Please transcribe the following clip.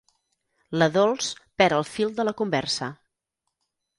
La Dols perd el fil de la conversa.